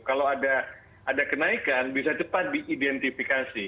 kalau ada kenaikan bisa cepat diidentifikasi